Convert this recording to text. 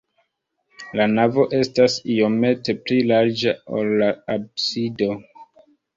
La navo estas iomete pli larĝa, ol la absido.